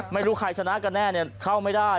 ไม่รู้ใครชนะกันแน่เข้าไม่ได้